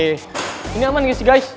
ini nyaman gak sih guys